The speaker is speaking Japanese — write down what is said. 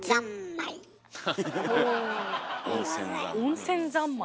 温泉三昧。